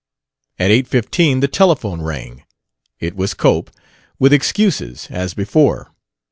At eight fifteen the telephone rang; it was Cope, with excuses, as before.